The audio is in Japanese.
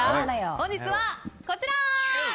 本日は、こちら。